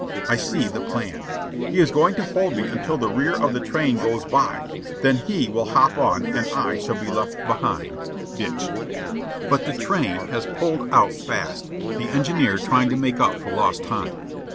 I see the plan. He is going to hold me until the rear of the train goes by. Then he will hop on, and I shall be left behind ditched. But the train has pulled out fast, the engineer trying to make up for lost time.